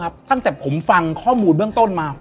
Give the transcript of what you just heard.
และยินดีต้อนรับทุกท่านเข้าสู่เดือนพฤษภาคมครับ